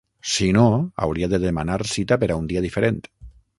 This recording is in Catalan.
Si no, hauria de demanar cita per a un dia diferent.